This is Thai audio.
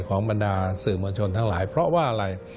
บรรดาสื่อมวลชนทั้งหลายเพราะว่าอะไร